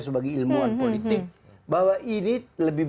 sebagai ilmuwan politik bahwa ini lebih